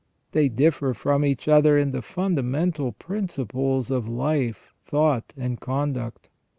They differ from each other in the fundamental principles of life, thought, and conduct.